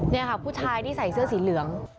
นี่ค่ะผู้ชายที่ใส่เสื้อสีเหลือง